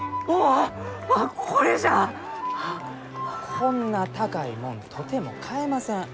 こんな高いもんとても買えません。